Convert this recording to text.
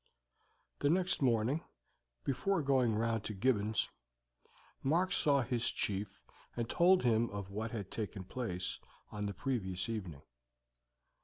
The next morning, before going round to Gibbons', Mark saw his chief and told him of what had taken place on the previous evening.